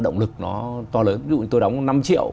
động lực nó to lớn ví dụ như tôi đóng năm triệu